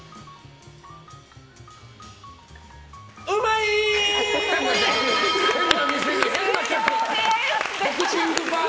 うまいー！